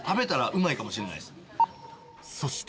［そして］